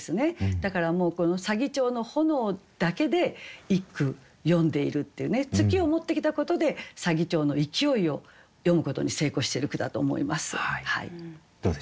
だからもうこの左義長の炎だけで一句詠んでいるっていうね「月」を持ってきたことで左義長の勢いを詠むことに成功してる句だと思います。